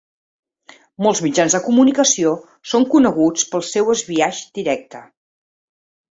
Molts mitjans de comunicació són coneguts pel seu esbiaix directe.